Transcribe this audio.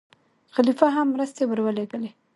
خلیفه هم مرستې ورولېږلې.